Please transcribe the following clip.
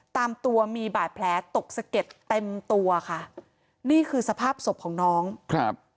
ตามตัวมีบาดแผลตกสะเก็ดเต็มตัวค่ะนี่คือสภาพศพของน้องครับ